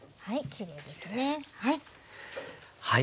きれいですね。